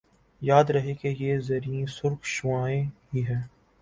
یاد رہے کہ یہ زیریں سرخ شعاعیں ہی ہیں